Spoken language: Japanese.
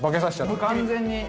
もう完全に。